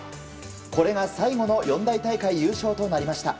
これが最後の四大大会優勝となりました。